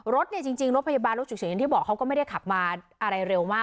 รถเนี่ยจริงรถพยาบาลรถฉุกเฉินอย่างที่บอกเขาก็ไม่ได้ขับมาอะไรเร็วมาก